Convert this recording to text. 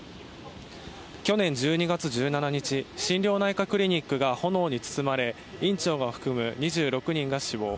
去年１２月１７日心療内科クリニックが炎に包まれ院長を含む２６人が死亡。